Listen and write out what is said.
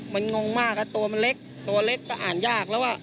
มันงงมากตัวมันเล็กตัวเล็กก็อ่านยากแล้วว่า